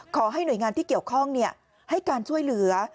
ขอให้หน่วยงานที่เกี่ยวข้องให้การช่วยเหลือ